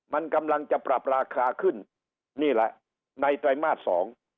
มันกำลังจะปรับราคาขึ้นนี่แหละในไตรมาสสอง